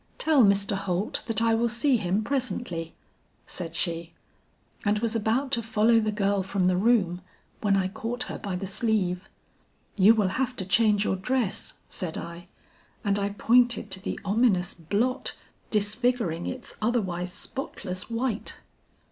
"'Tell Mr. Holt that I will see him presently,' said she, and was about to follow the girl from the room when I caught her by the sleeve. "'You will have to change your dress,' said I, and I pointed to the ominous blot disfiguring its otherwise spotless white.